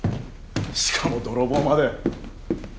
しかも泥棒まで。